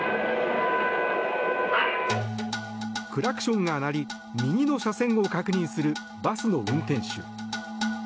クラクションが鳴り、右の車線を確認するバスの運転手。